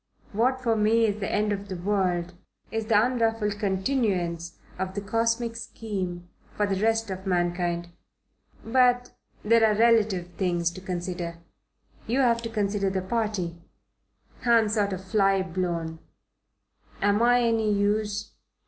What for me is the end of the world is the unruffled continuance of the cosmic scheme for the rest of mankind. But there are relative things to consider. You have to consider the party. I'm sort of fly blown. Am I any use?